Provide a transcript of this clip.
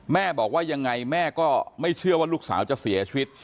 แม่บอกว่ายังไงแม่ก็ไม่เชื่อว่าลูกสาวจะเสียชีวิต